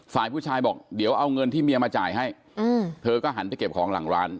ฝ่ายผู้ชายบอกเดี๋ยวเอาเงินที่เมียมาจ่ายให้เธอก็หันไปเก็บของหลังร้าน